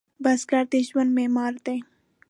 بزګر د ژوند معمار دی